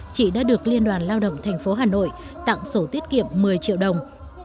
chị đã được liên đoàn lao động thành phố hà nội tặng số tiết kiệm một mươi triệu đồng